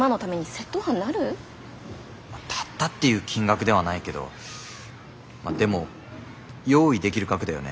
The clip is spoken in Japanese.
「たった」っていう金額ではないけどでも用意できる額だよね